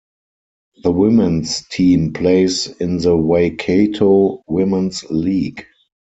The women's team plays in the Waikato Women's League.